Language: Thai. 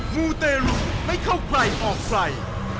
มูเตรุไม่เข้าใกล้ออกไฟ